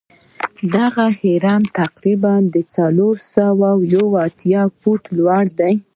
دغه هرم تقریبآ څلور سوه یو اتیا فوټه لوړ دی.